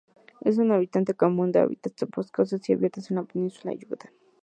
Es un habitante común de hábitats boscosos y abiertos en la península de Yucatán.